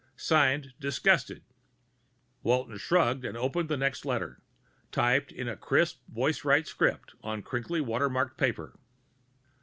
_ Signed, Disgusted Walton shrugged and opened the next letter, typed in a crisp voicewrite script on crinkly watermarked paper.